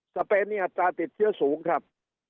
เปนมีอัตราติดเชื้อสูงครับ